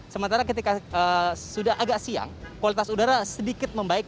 sementara ketika sudah agak siang kualitas udara sedikit membaik